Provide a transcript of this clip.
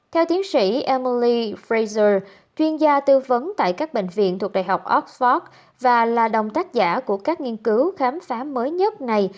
theo tiến sĩ emilley fraser chuyên gia tư vấn tại các bệnh viện thuộc đại học oxford và là đồng tác giả của các nghiên cứu khám phá mới nhất này